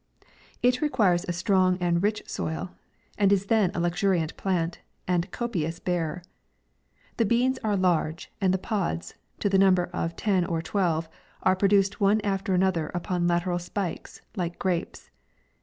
It re quires a strong and rich soil, and is then a luxuriant plant, and copious bearer. The beans are large, and the pods, to the number of ten or twelve, are produced one after ano ther, upon lateral spikes, like grapes.